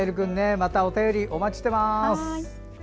また、お便りお待ちしています。